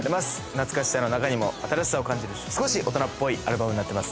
懐かしさの中にも新しさを感じる少し大人っぽいアルバムになってます